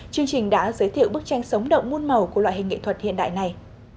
chương trình đã giới thiệu bức tranh sống động muôn màu của loại hình nghệ thuật hiện đại này